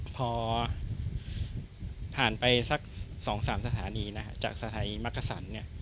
พอผ่านไปสัก๒๓สถานีนะฮะจากสถานีมักกะสันเนี่ย